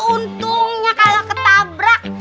untungnya kalau ketabrak